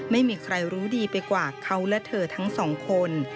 ไม่มีใครรู้ดีไปกว่าเขาและเธอทั้งสองคน